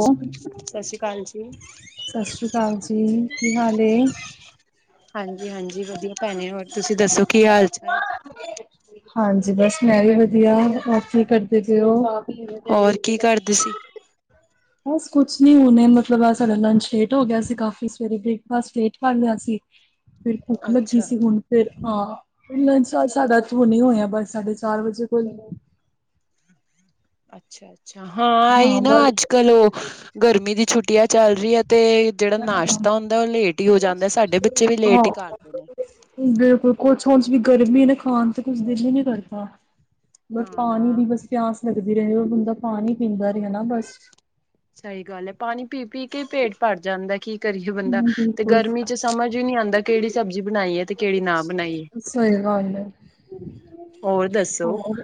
ਸਤਿ ਸ਼੍ਰੀ ਅਕਾਲ ਜੀ। ਸਤਿ ਸ਼੍ਰੀ ਅਕਾਲ ਜੀ। ਕੀ ਹਾਲ ਏ? ਹਾਂਜੀ ਹਾਂਜੀ ਵਧੀਆ ਭੈਣੇ, ਹੋਰ ਤੁਸੀ ਦੱਸੋ ਕੀ ਹਾਲ ਚਾਲ? ਹਾਂਜੀ ਬਸ ਮੈਂ ਵੀ ਵਧੀਆ, ਹੋਰ ਕੀ ਕਰਦੇ ਪਏ ੳ? ਹੋਰ ਕੀ ਕਰਦੇ ਸੀ? ਬਸ ਕੁਛ ਨੀ ਹੁਨੇ ਮਤਲਬ ਅੱਜ ਸਾਡਾ ਲੰਚ ਲੇਟ ਹੋ ਗਿਆ ਸੀ ਕਾਫੀ ਸਵੇਰੇ ਬ੍ਰੇਕਫਾਸਟ ਲੇਟ ਕਰ ਲੇਆ ਸੀ ਫੇਰ ਭੁੱਖ ਲੱਗੀ ਅੱਛਾ ਸੀ ਹੁਣ ਫੇਰ ਹਾਂ ਲੰਚ ਸਾਡਾ ਹੁਨੇ ਹੋਏਆ ਬਸ ਸਾਡੇ ਚਾਰ ਵਜੇ ਕੋਲ। ਅੱਛਾ-ਅੱਛਾ ਹਾਂ, ਆਈ ਨਾ ਅੱਜ ਕੱਲ ੳਹ ਗਰਮੀ ਦੀ ਛੁੱਟੀਆਂ ਚੱਲ ਰੀ ਏ ਤੇ ਜੇੜਾ ਨਾਸ਼ਤਾ ਹਾਂ ਹੁੰਦਾ ੳਹ ਲੇਟ ਈ ਹੋ ਜਾਂਦਾ। ਸਾਡੇ ਬੱਚੇ ਵੀ ਲੇਟ ਈ ਕਰਦੇ ਨੇ। ਬਿਲਕੁਲ ਕੁਛ ੳੰਝ ਵੀ ਗਰਮੀ ਏ ਨਾ, ਖਾਣ ਤੇ ਕੁਛ ਦਿਲ ਈ ਨੀ ਕਰਦਾ। ਬਸ ਨਾ ਪਾਨੀ ਨਾ ਦੀ ਬਸ ਪਿਆਸ ਲਗਦੀ ਰਏ, ਔਰ ਬੰਦਾ ਪਾਨੀ ਪੀਂਦਾ ਰਹੇ ਨਾ ਬਸ। ਸਹੀ ਗੱਲ ਏ। ਪਾਨੀ ਪੀ-ਪੀ ਕੇ ਈ ਪੇਟ ਭਰ ਜਾਂਦਾ ਕੀ ਕਰੇ ਬੰਦਾ, ਹੂੰ, ਤੇ ਬਿਲਕੁਲ। ਗਰਮੀ ਚ ਸਮਝ ਈ ਨਈ ਆਂਦਾ ਕੇੜੀ ਸਬਜੀ ਬਨਾਈਏ ਤੇ ਕੇੜੀ ਨਾ ਬਨਾਈਏ। ਸਹੀ ਗੱਲ ਏ। ਹੋਰ ਦੱਸੋ ਹੋਰ,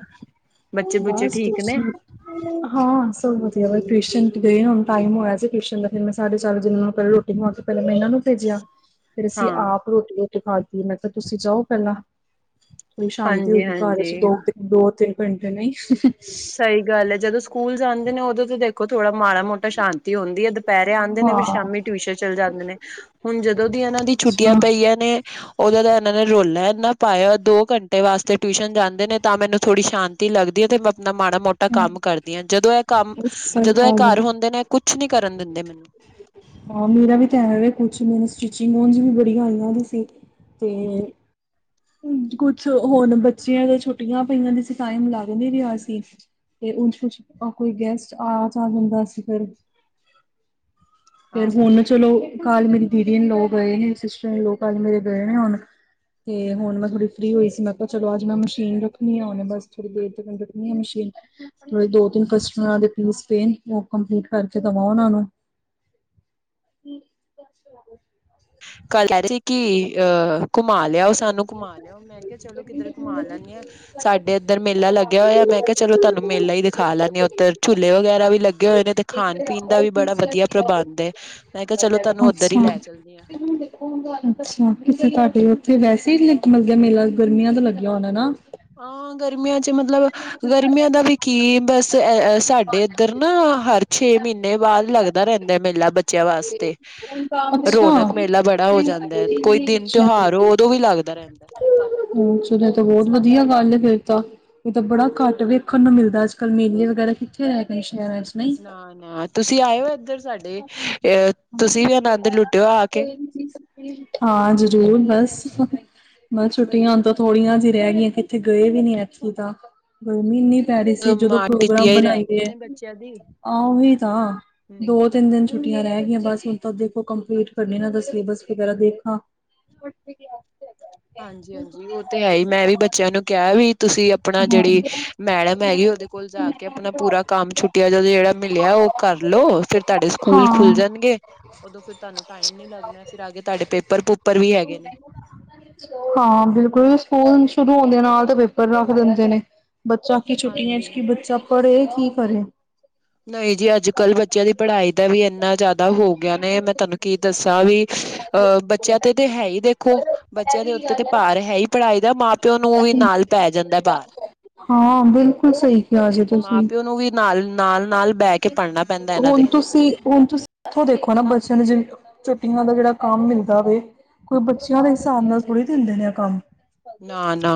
ਬੱਚੇ ਬੁੱਚੇ ਬਸ ਠੀਕ ਕੁਛ ਨੇ? ਨੀ। ਹਾਂ ਸਭ ਵਧੀਆ ਬ ਟਿਊਸ਼ਨ ਚ ਗਏ ਹੁਣ ਟਾਈਮ ਹੋਏਆ ਸੀ, ਟਿਊਸ਼ਨ ਦਾ ਫਿਰ ਮੈਂ ਸਾਰੇ ਚੱਲ ਜਨ ਪੈਲੇ ਰੋਟੀ ਆ ਕੇ ਪੈਲਾਂ ਮੈਂ ਏਨਾ ਨੂੰ ਭੇਜੇਆ ਫੇਰ ਅਸੀ ਹਾਂ ਆਪ ਰੋਟੀ ਰੂਟੀ ਖਾਦੀ। ਮੈਂ ਕੇਆ ਤੁਸੀ ਜਾਓ ਪੈਲਾਂ, ਥੋੜੀ ਸ਼ਾਂਤੀ ਹਾਂਜੀ ਹੋਏਗੀ ਘਰ ਵਿੱਚ ਹਾਂਜੀ ਦੋ ਦੋ, ਤਿੰਨ ਘੰਟੇ, ਨਈ। ਸਹੀ ਗੱਲ ਏ। ਜਦੋਂ ਸਕੂਲ ਜਾਂਦੇ ਨੇ ੳਦੋਂ ਤੇ ਦੇਖੋ ਥੋੜਾ ਮਾੜਾ ਮੋਟਾ ਸ਼ਾਂਤੀ ਹੁੰਦੀ ਏ ਦੁਪੇਹਰੇ ਆਂਦੇ ਨੇ ਫੇਰ ਹਾਂ, ਸ਼ਾਮੀ ਟਿਊਸ਼ਨ ਚੱਲ ਜਾਂਦੇ ਨੇ, ਹੁਣ ਜਦੋਂ ਦੀ ਏਨਾ ਦੀ ਛੁੱਟੀਆਂ ਅੱਛਾ। ਪਈਆਂ ਨੇ ੳਦਾ ਦਾ ਏਨਾ ਨੇ ਰੋਲਾ ਏਨਾ ਪਾਏਆ, ਦੋ ਘੰਟੇ ਵਾਸਤੇ ਟਿਊਸ਼ਨ ਜਾਂਦੇ ਨੇ ਤਾਂ ਮੈਨੂੰ ਥੋੜੀ ਸ਼ਾਂਤੀ ਲੱਗਦੀ ਏ ਤੇ ਮੈਂ ਤਾਂ ਮਾੜਾ ਮੋਟਾ ਕੰਮ ਕਰਦੀ ਆਂ, ਜਦੋਂ ਏ ਕੰਮ ਸਹੀ ਜਦੋਂ ਏ ਗੱਲ ਘਰ ਹੁੰਦੇ ਨੇ ਕੁਛ ਨੀ ਕਰਨ ਦੇਂਦੇ ਮੈਨੂੰ। ਹਾਂ ਮੇਰਾ ਵੀ ਤਾਂ ਹੈ ਵੇ ਕੁਛ ਮੇਰੇ ਸਟਿਚਿੰਗ ੳੰਝ ਵੀ ਬੜੀਆਂ ਆਈਆਂ ਦੀ ਸੀ ਤੇ ਕੁਛ ਹੁਣ ਬੱਚੇਆਂ ਦਾ ਛੁੱਟੀਆਂ ਪਈਆਂ ਦੀ ਸੀ, ਟਾਈਮ ਲੱਗ ਨਈ ਰਿਆ ਸੀ। ਤੇ ਉੰਝ ਕੁਛ, ਕੋਈ ਗੈਸਟ ਆ ਜਾ ਹੁੰਦਾ ਸੀ ਫੇਰ ਫੇਰ ਆਹੋ ਹੁਨ ਚਲੋ ਕੱਲ ਮੇਰੀ ਦੀਦੀ ਇਨ ਲਾੱ ਗਏ ਨੇ, ਸਿਸਟਰ ਇਨ ਲੋ ਕੱਲ ਮੇਰੇ ਗਏ ਨੇ ਹੁਨ ਤੇ ਹੁਨ ਮੈਂ ਥੋੜੀ ਫੀ੍ ਹੋਈ ਸੀ ਮੈਂ ਕੇਆ ਚਲੋ ਅੱਜ ਮੈਂ ਮਸ਼ੀਨ ਰੱਖਨੀ ਆ ਹੁਨੇ ਬਸ ਥੋੜੀ ਦੇਰ ਤਿਕਨ ਰੱਖਨੀ ਆ ਮਸ਼ੀਨ। ਜੇੜੇ ਦੋ ਤਿੰਨ ਕਸਟਮਰਾਂ ਦੇ ਪੀਸ ਪਏ ਨੇ ਓ ਕੰਪਲੀਟ ਕਰਕੇ ਦਵਾਂ ਓਨਾਂ ਨੂੰ। ਹੁ, ਗੈਸ ਚਲਾਦੇ। ਕੱਲ ਕੈ ਰਈ ਸੀ ਕਿ ਅਹ ਘੁਮਾ ਲਿਆਓ ਸਾਨੂੰ ਘੁਮਾ ਲਿਆਓ ਮੈਂ ਕੇਆ ਚਲੋ ਕਿੱਧ ਰੇ ਘੁਮਾ ਲੈਂਣੀ ਆ। ਸਾਡੇ ਏਧਰ ਮੇਲਾ ਲੱਗੇਆ ਹੋਏਆ ਮੈਂ ਕੇਆ ਚਲੋ ਤੁਆਨੂੰ ਮੇਲਾ ਈ ਵਿਖਾ ਲਿਆਣੀ ਓਧਰ ਝੂਲੇ ਵਗੈਰਾ ਵੀ ਲੱਗੇ ਹੋਏ ਨੇ ਤੇ ਖਾਣ- ਪੀਣ ਦਾ ਵੀ ਬੜਾ ਅੱਛਾ। ਵੱਧੀਆ ਪ੍ਰਬੰਧ ਐ, ਮੈਂ ਕੇਆ ਚਲੋ ਤੁਆਨੂੰ ਓਧਰ ਈ ਲੈ ਚੱਲਦੀ ਆ। ਅੱਛਾ ਕਿ ਸੀ ਤਾਡੇ ਓੱਥੇ ਵੈਸੇ ਈ ਲਖਨਊ ਦਾ ਮੇਲਾ ਗਰਮੀਆਂ ਦਾ ਲੱਗੇਆ ਹੋਣਾ ਹਨਾ? ਆ ਗਰਮੀਆਂ ਚ ਮਤਲਬ ਗਰਮੀਆਂ ਦਾ ਵੀ ਕੀ ਬਸ ਅ-ਅ ਸਾਡੇ ਏਧਰ ਨਾ ਹਰ ਛੇ ਮੀਨੇ ਬਾਦ ਲੱਗਦਾ। ਹੁੰਦਾ ਰੇਂਦਾ ਏ ਮੇਲਾ ਬੱਚੇਆਂ ਵਾਸਤੇ। ਅੱਛਾ। ਰੌਣਕ ਮੇਲਾ ਬੜਾ ਹੋ ਜਾਂਦਾ ਐ ਕੋਈ ਦਿਨ ਤਿਹਾਰ ਹੋ ਓਦੋਂ ਵੀ ਲੱਗਦਾ ਰੇਂਦਾ। ਅ ਚਲ ਏ ਤਾਂ ਬੋਤ ਵੱਧੀਆ ਗੱਲ ਫੇਰ ਤਾਂ, ਏ ਤਾਂ ਬੜਾ ਹਾਂਜੀ ਘੱਟ ਹਾਂਜੀ ਵੇ ਦੇਖਣ ਨੂੰ ਮਿਲਦਾ ਅੱਜ- ਕੱਲ੍ਹ ਮੇਲੇ ਵਗੈਰਾ ਕਿੱਥੇ ਰੈ ਗਏ ਸ਼ੈਰਾਂ ਚ। ਨਹੀਂ। ਨਾ -ਨਾ ਤੁਸੀਂ ਆਏਓ ਏਧਰ ਸਾਡੇ ਅ ਤੁਸੀਂ ਵੀ ਆਨੰਦ ਲੁੱਟੇਓ ਆ ਕੇ। ਹਾਂਜੀ ਜਰੂਰ। ਹਾਂ ਜ਼ਰੂਰ ਬਸ ਹਹ। ਮੈਂ ਛੁੱਟੀਆਂ ਤਾਂ ਥੋੜੀਆਂ ਜੇਈਆ ਰੈ ਗਈਆ ਕਿੱਤੇ ਗਏ ਵੀ ਨੀ ਅਸੀ ਤਾਂ ਗਰਮੀ ਏਨੀ। ਕੈ ਰਈ ਸੀ ਜਦੋਂ ਮਾਂ ਟਿੱਟੀਆਂ ਪ੍ਰੋਗਰਾਮ ਹੀ ਰਹਿ ਗਈਆਂ ਬਣਾਈਏ, ਨੇ ਬੱਚਿਆਂ ਦੀ ਆ ਓਹੀ ਤਾਂ ਦੋ ਹਮ ਤਿੰਨ ਦਿਨ ਛੁੱਟੀਆਂ ਰੈ ਗਈਆਂ ਬਸ ਹੁਣ ਤਾਂ ਦੇਖੋ ਕੰਪਲੀਟ ਕਰਨੀ ਏਨਾਂ ਦਾ ਸਿਲੇਬਸ ਵਗੈਰਾ ਦੇਖਾਂ। ਓੱਥੇ ਗੇਆ। ਹਾਂਜੀ -ਹਾਂਜੀ ਓ ਤੇ ਹੈ ਈ ਮੈਂ ਵੀ ਬੱਚੇਆਂ ਨੂੰ ਕੇਆ ਵੀ ਤੁਸੀਂ ਆਪਣਾ ਜੇੜੇ ਮੈਡਮ ਹੈਗੇ ਓਦੇ ਕੋਲ ਜਾ ਕੇ ਆਪਣਾ ਪੂਰਾ ਕੰਮ ਛੁੱਟਿਆ ਦਾ ਜੇੜਾ ਮਿਲੇਆ ਓ ਕਰਲੋ ਫਿਰ ਤੁਆਡੇ ਹਾਂ ਸਕੂਲ ਖੁੱਲ ਹਾਂ ਜਾਣਗੇ। ਉਦੋਂ ਫਿਰ ਤੁਆਨੂੰ ਟਾਈਮ ਨੀ ਲੱਗਣਾ ਫਿਰ ਆਗੇ ਤਾਡੇ ਪੇਪਰ -ਪੂਪਰ ਵੀ ਹੈਗੇ ਨੇ। ਹਾਂ ਬਿਲਕੁਲ ਸਕੂਲ ਸ਼ੁਰੂ ਹੁੰਦੇ ਨਾਲ ਤਾਂ ਪੇਪਰ ਰੱਖ ਦਿੰਦੇ ਨੇ ਬੱਚਾ ਕਿ ਛੁੱਟੀਆਂ ਚ ਹਾਂਜੀ ਕਿ ਬੱਚਾ ਪੜ੍ਹੇ ਕੀ ਕਰੇ। ਨਈ ਜੀ ਅੱਜ-ਕੱਲ੍ਹ ਬੱਚੇਆਂ ਦੀ ਪੜ੍ਹਾਈ ਦਾ ਵੀ ਏਨਾ ਏਂਨਾ ਜ਼ਾਦਾ ਹੋ ਗੇਆ ਨੇ ਮੈਂ ਤਾਨੂੰ ਕੀ ਦੱਸਾਂ ਵੀ ਅਹ ਬੱਚੇਆਂ ਤੇ-ਤੇ ਹੈ ਈ ਦੇਖੋ। ਬੱਚੇਆਂ ਦੇ ਉੱਤੇ ਤੇ ਭਾਰ ਹੈ ਈ ਪੜ੍ਹਾਈ ਦਾ, ਮਾਂ-ਪਿਓ ਨੂੰ ਓਵੀ ਨਾਲ ਪੈ ਜਾਂਦਾ ਭਾਰ। ਹਾਂ, ਬਿਲਕੁਲ, ਸਈ। ਮਾਂ-ਪਿਓ ਨੂੰ ਵੀ, ਨਾਲ-ਨਾਲ-ਨਾਲ ਬੈ ਕੇ ਪੜ੍ਹਨਾ ਪੈਂਦਾ, ਏਨਾਂ ਦੇ। ਹੁਣ ਤੁਸੀਂ ਹੁਣ, ਤੁਸੀਂ ਇੱਥੋਂ ਦੇਖੋ ਨਾ, ਬੱਚੇਆਂ ਨੂੰ ਜਿਵੇ ਛੁੱਟੀਆਂ ਦਾ ਜੇੜਾ ਕੰਮ ਮਿਲਦਾ, ਵੇ ਕੋਈ ਬੱਚੇਆਂ ਦੇ ਹਿਸਾਬ ਨਾਲ, ਥੋੜ੍ਹੀ ਦਿੰਦੇ ਨੇ ਆ ਕੰਮ। ਨਾ-ਨਾ।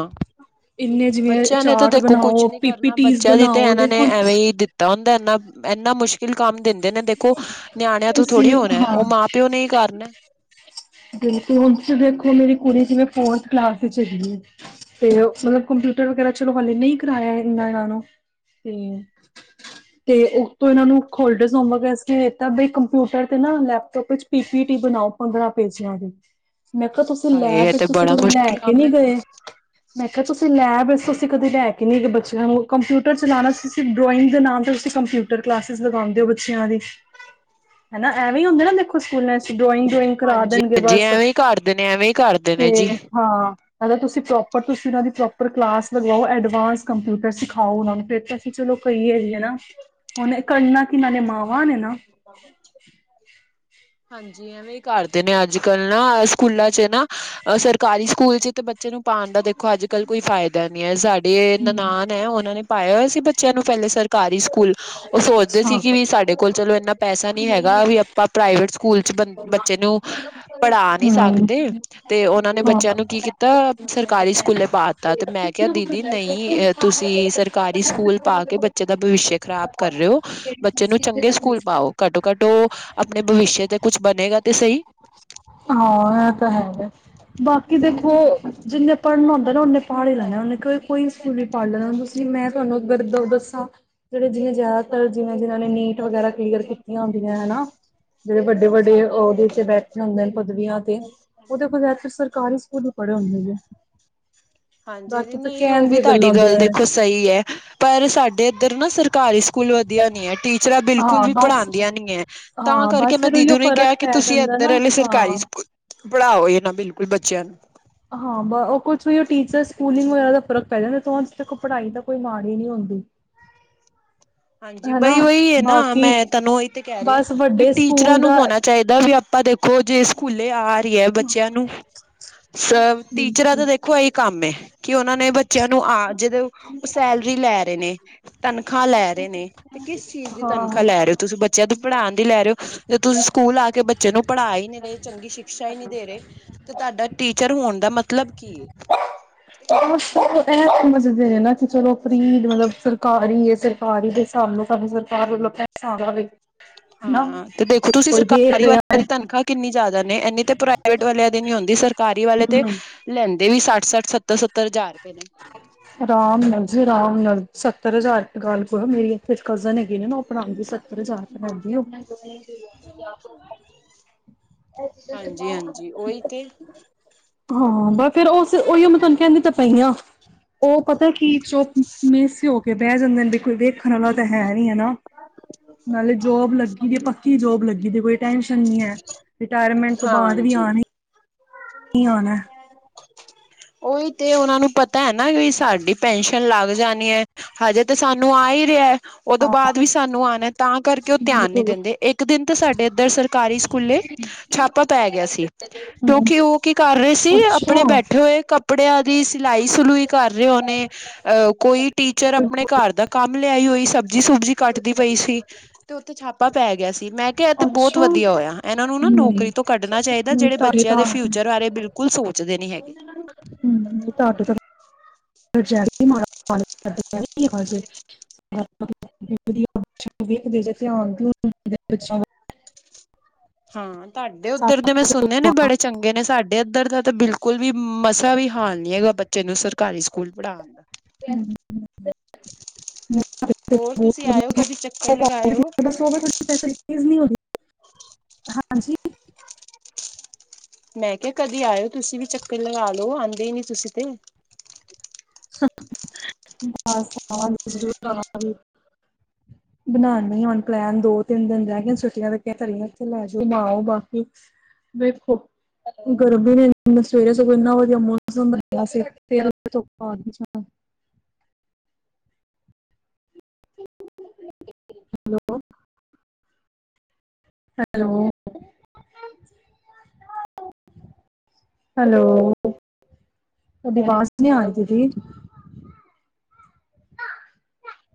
ਇੰਨੇ ਜਿਵੇਂ ਬੱਚੇਆਂ ਨੇ ਤਾਂ ਚਾਰਟ ਦੇਖੋ ਕੁਛ ਬਣਾਓ ਨੀ ਪੀ ਪੀ ਕਰਨਾ, ਟੀਜ਼ ਬੱਚਿਆਂ ਦੀ ਤੇ ਬਣਾਓ ਏਨਾਂ ਨੇ ਦੇਖੋ ਐਵੇਂ ਦੀ ਤਾ ਹੁੰਦਾ ਏਂਨਾ-ਏਂਨਾ ਮੁਸ਼ਕਿਲ ਕੰਮ ਦਿੰਦੇ ਨੇ ਦੇਖੋ, ਨਿਆਣੇਆਂ ਤੋਂ ਤੁਸੀਂ ਥੋੜ੍ਹੀ ਹੋਣਾ ਓ ਹਾਂ ਮਾਂ -ਪਿਓ ਨੇ ਕਰਨਾ। ਗਿਣਤੀ ਵਿੱਚ ਦੇਖੋ, ਮੇਰੀ ਕੁੜੀ ਜਿਵੇਂ ਫੋਰਥ ਕਲਾਸ ਵਿੱਚ ਹੈਗੀ ਏ ਤੇ, ਮਤਲਬ ਕੰਪਿਊਟਰ ਵਗੈਰਾ ਚਲੋ ਹਾਲੇ ਨਈ ਕਰਾਏਆ ਏਨਾ-ਏਨਾਂ ਨੂੰ ਤੇ ਹੂੰ ਤੇ ਉਸ ਤੋਂ ਓਨਾਂ ਨੂੰ ਹੋਲਡ ਸੋਮਰਸ ਕੇ ਦਿੱਤਾ ਬ ਕੰਪਿਊਟਰ ਤੇ ਨਾ ਲੈਪਟੋਪ ਵਿੱਚ ਪੀ -ਸੀ -ਟੀ ਬਣਾਓ ਪੰਦਰਾਂ ਪੇਜੀਆਂ ਦੀ, ਮੈਂ ਕੇਆ ਤੁਸੀਂ ਹਾਏ ਲੈਬ ਇਹ ਵਿੱਚ ਤੇ ਤੁਸੀਂ ਬੜਾ ਕਦੇ ਲੈ ਮੁਸ਼ਕਿਲ ਕੇ ਕੰਮ ਨਈ ਗਏ [unintelligible] [inaudible] ਮੈਂ ਕੇਆ ਤੁਸੀਂ ਲੈਬ ਵਿੱਚ ਤੁਸੀਂ ਕਦੇ ਲੈ ਕੇ ਨਈ ਗਏ ਬੱਚੇਆਂ ਨੂੰ ਕੰਪਿਊਟਰ ਚਲਾਣਾ ਤੁਸੀ ਡਰੋਇੰਗ ਦੇ ਨਾਮ ਤੇ ਤੁਸੀਂ ਕੰਪਿਊ ਫੇਰ ਕਲਾਸਿਸ ਲਗਾਂਦੇ ਬੱਚੇਆਂ ਦੀ। [inaudible] ਹਨਾ ਐਵੇਂ ਈ ਹੁੰਦੇ ਨਾ ਦੇਖੋ ਸਕੂਲਾਂ'ਚ ਡਰੋਇੰਗ ਡਰੋਇੰਗ ਕਰਾ ਹਾਂਜੀ ਦੇਨਗੇ ਹਾਂਜੀ ਬਸ ਐਵੇਂ ਹੀ ਕਰਦੇ ਨੇ ਐਵੇਂ ਹੀ ਕਰਦੇ ਨੇ ਤੇ, ਜੀ ਹਾਂ ਮੈਂ ਕਿਆ ਤੁਸੀ ਪ੍ਰੋਪਰ ਤੁਸੀ ਓਨਾਂ ਦੀ ਪ੍ਰੋਪਰ ਕਲਾਸ ਲਗਾਓ ਐਡਵਾਂਸ ਕੰਪਿਊਟਰ ਸਿਖਾਓ ਓਨਾਂ ਨੂੰ ਪੇਪਰ ਕਿ ਚਲੋ ਕਈ ਏ ਯੇ ਨਾ ਹੁਣ ਐ ਕਰਨਾ ਕਿੰਨਾ ਨੇ ਮਾਵਾਂ ਨੇ ਨਾ ਤਾਂ ਬੱਚੇ ਹਾਂਜੀ, ਐਵੇਂ ਈ ਕਰਦੇ ਨੇ ਅੱਜ ਕੱਲ ਨਾ ਸਕੂਲਾਂ ਚ ਨਾ ਸਰਕਾਰੀ ਸਕੂਲ ਚ ਤੇ ਬ ਬੱਚੇ ਨੂੰ ਪਾਣ ਦਾ ਦੇਖੋ ਅੱਜ ਕੱਲ ਕੋਈ ਫਾਇਦਾ ਨੀ ਐ ਸਾਡੀ ਏ ਹੂੰ ਨਨਾਣ ਹੈਂ ਉਨਾਂ ਨੇ ਪਾਇਆ ਹੋਇਆ ਸੀ ਬੱਚਿਆਂ ਨੂੰ ਪੈਲੇ ਸਰਕਾਰੀ ਸਕੂਲ ਓ ਸੋਚਦੇ ਅੱਛਾ ਸੀ ਕਿ ਵੀ ਸਾਡੇ ਹੂੰ ਕੋਲ ਚਲੋ ਇਨਾ ਪੈਸਾ ਨੀ ਹੈਗਾ ਵੀ ਆਪਾਂ ਪ੍ਰਾਈਵੇਟ ਸਕੂਲ ਚ ਬ ਬੱਚੇ ਨੂੰ ਪੜਾ ਨੀ ਸਕਦੇ। ਤੇ ਉਨਾਂ ਨੇ ਬੱਚਿਆਂ ਨੂੰ ਕੀ ਕੀਤਾ ਸਰਕਾਰੀ ਸਕੂਲੇ ਪਾ ਦਿੱਤਾ ਤੇ ਮੈਂ ਕਿਆ ਦੀ ਦੀ ਨਈ ਤੁਸੀ ਸਰਕਾਰੀ ਸਕੂਲ ਪਾ ਕੇ ਬੱਚੇ ਦਾ ਭਵਿੱਸ਼ੇ ਖ਼ਰਾਬ ਕਰ ਰੇ ਓ। ਬੱਚੇ ਨੂੰ ਚੰਗੇ ਸਕੂਲ ਹਾਂ ਪਾਓ ਘੱਟੋ ਘੱਟ ਓ ਆਪਣੇ ਭਵਿਸ਼ੇ ਤੇ ਕੁਛ ਬਨੇਗਾ ਤੇ ਸਈ। ਹਾਂ ਐ ਤਾ ਹੈਗਾ ਬਾਕੀ ਦੇਖੋ ਜਿੰਨੇ ਪੜਨਾ ਹੁੰਦਾ ਨਾ ਓਨੇ ਪੜ ਈ ਲੈਣਾ ਉਨੇ ਕਿ ਕੋਈ ਸਕੂਲ ਵੀ ਪੜ੍ਹ ਲੈਨਾ ਤੁਸੀ ਮੈਂ ਤੁਆਨੂੰ ਅਗਰ ਦ ਦੱਸਾਂ। ਜੇੜੇ ਜਿਵੇਂ ਜਆਦਾਤਰ ਜਿਵੇਂ ਜਿਨ੍ਹਾਂ ਨੇ ਨੀਟ ਵਗੈਰਾ ਕਲੀਅਰ ਕੀਤੀਆਂ ਹੁੰਦੀਆਂ ਹਨਾ। ਜੇੜੇ ਬੱਡੇ ਵੱਡੇ ਓਵੀ ਹਮ ਓਥੇ ਬੈਠੇ ਹੁੰਦੇ ਨ ਪਦਵੀਆਂ ਤੇ ਉਦੇ ਕੋਲ ਜਿਆਦਾਤਰ ਸਰਕਾਰੀ ਸਕੂਲ ਈ ਪੜੇ ਹੁੰਦੇ ਨੇ। ਹਾਂਜੀ, ਹਾਂਜੀ ਨਈ ਓ ਵੀ ਦੀਆਂ ਗੱਲਾਂ ਤਾਡੀ ਗੱਲ ਹੁੰਦੀਆਂ। ਦੇਖੋ ਸਈ ਐ ਪਰ ਸਾਡੇ ਇੱਧਰ ਨਾ ਸਰਕਾਰੀ ਸਕੂਲ ਵਧੀਆ ਨੀ ਐ। ਟੀਚਰਾਂ ਬਿਲਕੁਲ ਹਾਂ ਵੀ ਬਸ ਪੜਾਂਦੀਆਂ ਨੀ ਐ ਤਾਂ ਹਾਂ ਕਰਕੇ ਬਸ ਮੈਂ ਫਿਰ ਉਹੀਓ ਦੀਦੀ ਨੂੰ ਏ ਕਿਆ ਫ਼ਰਕ ਕਿ ਪੈ ਤੁਸੀ ਜਾਂਦਾ ਇੱਧਰ ਨਾ ਆਲੇ ਸਰਕਾਰੀ ਹਾਂ। ਸਕੂ ਪੜ੍ਹਾਓ ਇ ਨਾ ਬਿਲਕੁਲ ਬੱਚਿਆਂ ਨੂੰ ਹਾਂ ਬ ਓ ਕੁਛ ਵੀ ਓ ਟੀਚਰ ਸਕੂਲਿੰਗ ਵਗੈਰਾ ਦਾ ਫਰਕ ਪੈ ਜਾਂਦਾ ਅਜ ਤੱਕ ਪੜ੍ਹਾਈ ਤਾ ਕੋਈ ਮਾੜੀ ਨਈ ਹੁੰਦੀ। ਹਾਂਜੀ, ਬਈ ਹਨਾ ਓਈ ਐ ਨਾ ਬਾਕੀ ਮੈਂ ਤਾਨੂੰ ਓਈ ਤੇ ਕੈ ਰੀ ਆਂ ਬਸ ਵੀ ਵੱਡੇ ਟੀਚਰਾਂ ਸਕੂਲ ਨੂੰ ਦਾ ਹੋਣਾ ਚਾਈਦਾ ਵੀ ਆਪਾਂ ਦੇਖੋ ਜੇ ਸਕੂਲੇ ਆ ਰੀ ਐ ਬੱਚਿਆਂ ਨੂੰ ਸਬ ਟੀਚਰਾਂ ਦਾ ਦੇਖੋ ਐਈ ਕੰਮ ਏ ਕਿ ਓਨਾਂ ਨੇ ਬੱਚਿਆਂ ਨੂੰ ਆ ਜਿਦੇ ਓ ਸੈਲਰੀ ਲੈ ਰੇ ਨੇ, ਤਨਖਾਹ ਲੈ ਰੇ ਨੇ ਤੇ ਕਿਸ ਚੀਜ਼ ਦੀ ਤਨਖਾਹ ਹਾਂ ਲੈ ਲੈ ਰੇ ਓ ਤੁਸੀ ਬੱਚਿਆਂ ਨੂੰ ਪੜਾਂਣ ਦੀ ਲੈ ਰੇ ਓ ਤੇ ਤੁਸੀ ਸਕੂਲ ਆ ਕੇ ਬੱਚੇ ਨੂੰ ਪੜ੍ਹਾ ਈ ਨੀ ਰਏ ਚੰਗੀ ਸ਼ਿਕਸ਼ਾ ਈ ਨੀ ਦੇ ਰੇ ਤੇ ਤਾਡਾ ਟੀਚਰ ਹੋਣ ਦਾ ਮਤਲਬ ਕੀ ਐ? ਐ ਸਮਝਦੇ ਨੇ ਨਾ ਕਿ ਚਲੋ ਫ੍ਰੀ ਮਤਲਬ ਸਰਕਾਰੀ ਏ ਫਿਰ ਸਰਕਾਰੀ ਦੇ ਸਾਬ ਨਾ ਸਾਨੂੰ ਸਰਕਾਰ ਵੱਲੋ ਪੈਸਾ ਆ ਰੇਆ ਵੇ। ਹਨਾ ਹਾਂ, ਤੇ ਦੇਖੋ ਤੁਸੀ ਕੋਈ ਦੇਖ ਸਰਕਾਰੀ ਰਿਹਾ ਵਾਲਿਆ ਏ ਦੀ ਤਨਖਾਹ ਕਿੰਨੀ ਜਆਦਾ ਨੇ ਏਨੀ ਤੇ ਪ੍ਰਾਈਵੇਟ ਵਾਲਿਆਂ ਦੀ ਨੀ ਔਂਦੀ ਸਰਕਾਰੀ ਵਾਲੇ ਤੇ ਲੈਂਦੇ ਵੀ ਸੱਠ -ਸੱਠ, ਸੱਤਰ- ਸੱਤਰ ਅਜਾਰ ਰਪਏ ਨੇ ਆਰਾਮ ਨਾਲ ਜੀ ਰਾਮ ਨਾਲ ਸੱਤਰ ਹਜਾਰ ਦੀ ਗੱਲ ਕਰੋ ਮੇਰੀ ਇੱਕ ਕਜ਼ਨ ਹੈਗੀ ਓ ਪੜਾਂਦੀ ਸੱਤਰ ਹਜਾਰ ਰਪਏ ਲੈਂਦੀ ਏ ਓ ਹਾਂਜੀ ਹਾਂਜੀ ਉਹੀ ਤੇ [unintelligible] ਹਾਂ ਬ ਫਿਰ ਓਸ ਉਈਓ ਮੈਂ ਤਾਨੂੰ ਕੈਂਦੀ ਤਾਂ ਪਈ ਆਂ। ਓ ਪਤਾ ਕੀ ਜੋ ਮੇਸੇ ਹੋ ਕੇ ਬੈ ਜਾਂਦੇ ਨੇ ਤੇ ਕੋਈ ਵੇਖਣ ਵਾਲਾ ਤਾ ਹੈ ਨਈ ਐ ਨਾ। ਨਾਲੇ ਜੋਬ ਲੱਗੀ ਦੀਏ ਪੱਕੀ ਜੋਬ ਲੱਗੀ ਦੀਏ ਕੋਈ ਟੈਂਸ਼ਨ ਨੀ ਐ। ਰਿਟਾਇਰਮੈਂਟ ਤੋ ਬਾਅਦ ਵੀ ਹਾਂਜੀ ਆਨੀ ਕੀ ਆਨੈ। ਓਈ ਤੇ ਓਨਾ ਨੂੰ ਪਤਾ ਐ ਨਾ ਵੀ ਸਾਡੀ ਪੈਨਸ਼ਨ ਲੱਗ ਜਾਨੀ ਐ ਹਜੇ ਤੇ ਸਾਨੂੰ ਆ ਈ ਰੇਆ। ਓਦੋ ਬਾਅਦ ਵੀ ਸਾਨੂੰ ਆਣਾ ਏ ਤਾਂ ਕਰਕੇ ਓ ਧਿਆਨ ਨੀ ਬਿਲਕੁਲ। ਦੇਂਦੇ ਇੱਕ ਦਿਨ ਤੇ ਸਾਡੇ ਏਧਰ ਸਰਕਾਰੀ ਸਕੂਲੇ ਛਾਪਾ ਪੈ ਗਿਆ ਸੀ ਹੂੰ ਕਿਉਂਕਿ ਓ ਕੀ ਕਰ ਰਏ ਸੀ ਅੱਛਾ। ਆਪਣੇ ਬੈਠੇ ਹੋਏ ਕੱਪੜਿਆਂ ਦੀ ਸਿਲਾਈ -ਸਲੂਈ ਕਰ ਰਹੇ ਹੋਨੇ, ਅਹ ਕੋਈ ਟੀਚਰ ਆਪਣੇ ਘਰ ਦਾ ਕੰਮ ਲਿਆਈ ਹੋਈ ਸਬਜ਼ੀ -ਸੁਬਜੀ ਕੱਟਦੀ ਪਈ ਸੀ। ਤੇ ਉੱਥੇ ਛਾਪਾ ਪੈ ਗਿਆ ਸੀ, ਮੈਂ ਕਿਹਾ ਇਥ ਬਹੁਤ ਅੱਛਾ ਵਧੀਆ ਹੋਇਆ, ਇਹਨਾਂ ਨੂੰ ਨਾ ਨਹੀਂ ਨੌਕਰੀ ਤੋਂ ਕੱਢਣਾ ਚਾਹੀਦਾ। ਨਹੀਂ ਜਿਹੜੇ ਬ ਤੁਹਾਡੇ ਬੱਚਿਆਂ ਦੇ ਤਾਂ ਫਿਊਚਰ ਬਾਰੇ ਬਿਲਕੁਲ ਸੋਚਦੇ ਨੀ ਹੈਗੇ। ਹਮ ਤਾਂਟੋ ਤੋਂ [inaudible] [unintelligible] [unintelligible] ਹਾਂ ਤੁਹਾਡੇ ਉੱਧਰ ਬੱਚਿਆਂ ਦੇ ਮੈਂ ਸੁਣ ਨੇ ਬੜੇ ਚੰਗੇ ਨੇ, ਸਾਡੇ ਇੱਧਰ ਦਾ ਤਾਂ ਬਿਲਕੁਲ ਵੀ ਮਸਾ ਵੀ ਹਾਲ ਨੀ ਹੈਗਾ। ਬੱਚੇ ਨੂੰ ਸਰ ਸਰਕਾਰੀ ਸਕੂਲ ਪੜ੍ਹਾਉੱਣ ਦਾ। ਹਮ। ਹੋਰ ਤੁਸੀਂ ਆਇਓ ਕਦੀ ਚੱਕਰ ਲਗਾਇਓ [unintelligible] ਹਾਂਜੀ। ਮੈਂ ਕਿਹਾ ਕਦੀ ਆਇਓ, ਤੁਸੀਂ ਵੀ ਚੱਕਰ ਲਗਾ ਲਓ, ਆਉਂਦੇ ਹੀ ਨੀ ਤੁਸੀਂ ਤੇ। ਬਸ ਆਵਾਂਗੇ। [unintelligible] ਬਣਾਉਂਦੀਆਂ ਹੁਣ ਪਲੈਨ, ਦੋ ਤਿੰਨ ਦਿਨ ਰਹਿ ਗਏ ਛੁੱਟੀਆਂ ਤੇ ਲੈਂ ਜਾਓ ਘੁਂਮਾਓ ਵੇਖੋ ਗਰਮੀ ਨੇ ਸਵੇਰੇ ਸਗੋਂ ਇਨਾ ਵਧੀਆ ਮੌਸਮ ਵਧੀਆ ਸੀ। ਹੋਰ ਸੁਣਾਓ? ਹੈਲੋ। ਹੈਲੋ। ਹਮ। ਹੈਲੋ, ਤੁਹਾਡੀ ਅਵਾਜ ਨਹੀਂ ਆ ਰਹੀ ਦੀਦੀ।